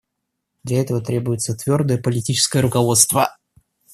Для этого требуется твердое политическое руководство.